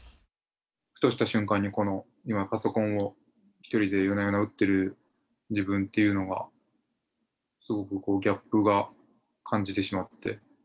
ふとした瞬間にこのパソコンを１人で夜な夜な打ってる自分というのが、すごくギャップが感じてしまって。